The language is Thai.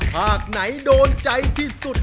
ภาคไหนโดนใจที่สุด